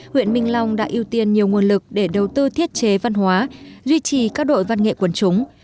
huyện minh long đã ưu tiên nhiều nguồn lực để đầu tư thiết chế văn hóa duy trì các đội văn nghệ quần chúng